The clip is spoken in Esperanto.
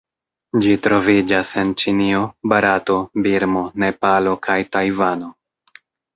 Ĝi troviĝas en Ĉinio, Barato, Birmo, Nepalo kaj Tajvano.